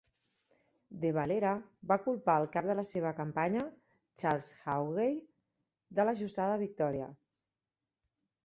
De Valera va culpar el cap de la seva campanya, Charles Haughey, de l'ajustada victòria.